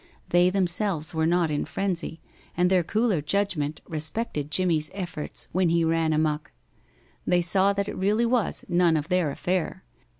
They themselves were not in frenzy, and their cooler judgment respected Jimmie's efforts when he ran amuck. They saw that it really was none of their affair.